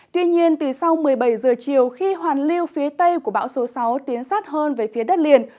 tuy nhiên từ sau một mươi bảy giờ chiều khi hoàn lưu phía tây của bão số sáu tiến sát hơn về phía đất liền